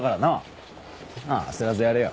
まあ焦らずやれよ。